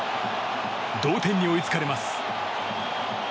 同点に追いつかれます。